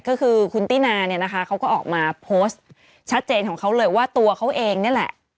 ก็คือคุณตินาเนี่ยนะคะเขาก็ออกมาโพสต์ชัดเจนของเขาเลยว่าตัวเขาเองนี่แหละ